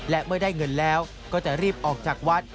และเมื่อได้เงินแล้วก็จะรีบออกจากวัด